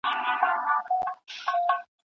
حکومتونه چیري د اقلیتونو حقونه لټوي؟